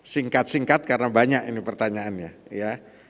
singkat singkat karena banyak ini pertanyaannya ya